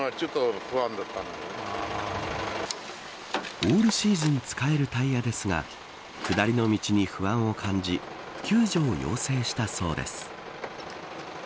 オールシーズン使えるタイヤですが下りの道に不安を感じ救助を要請したそうです。